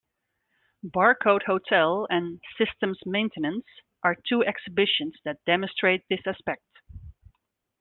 "Bar Code Hotel" and "Systems Maintenance" are two exhibitions that demonstrate this aspect.